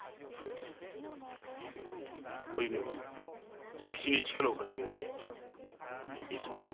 お弓も左吉に力を貸してやりいつまでも二人仲良くな。